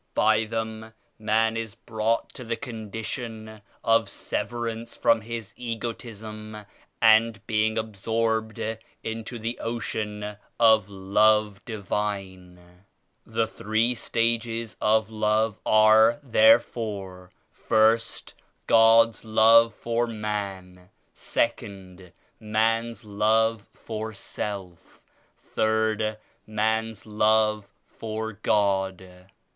By them, man is brought to the condition of severance from his egotism and being absorbed into the Ocean of Love Divine. The three stages of Love are therefore: I St — God's Love for man. 2nd — Man's love for self. 3rd — Man's love for God."